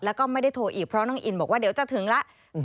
แล้วก็ไม่ได้โทรอีกเพราะน้องอินบอกว่าเดี๋ยวจะถึงแล้ว